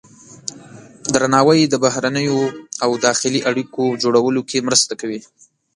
درناوی د بهرنیو او داخلي اړیکو جوړولو کې مرسته کوي.